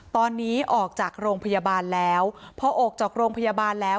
ตอนนี้ออกจากโรงพยาบาลแล้วพอออกจากโรงพยาบาลแล้ว